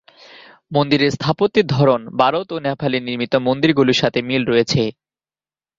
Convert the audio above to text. মন্দিরের স্থাপত্যের ধরন ভারত ও নেপালে নির্মিত মন্দিরগুলির সাথে মিল রয়েছে।